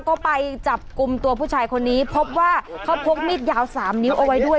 ก็ไปจับกลุ่มตัวผู้ชายคนนี้พบว่าเขาพกมีดยาว๓นิ้วเอาไว้ด้วย